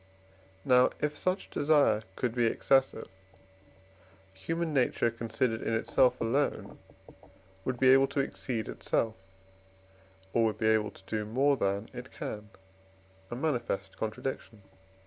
Now, if such desire could be excessive, human nature considered in itself alone would be able to exceed itself, or would be able to do more than it can, a manifest contradiction.